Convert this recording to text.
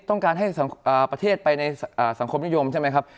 ต้องการให้ประเทศไปในสังคมนิยมใช่ไหมครับ